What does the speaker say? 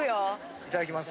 いただきます。